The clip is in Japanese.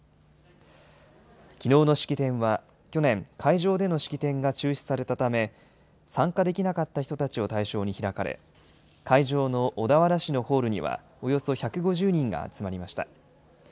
きのうの式典は、去年、会場での式典が中止されたため、参加できなかった人たちを対象に開かれ、会場の小田原市のホールには、およそ１５０人が集まりました。